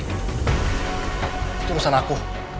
itu perusahaan aku